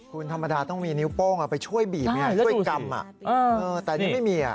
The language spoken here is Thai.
คุณธรรมดาต้องมีนิ้วโป้งไปช่วยบีบไงช่วยกำแต่อันนี้ไม่มี